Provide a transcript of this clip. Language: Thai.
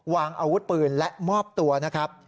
วางอาวุธปืนและมอบตัวนะครับ